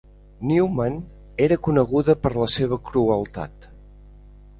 Neumann era coneguda per la seva crueltat.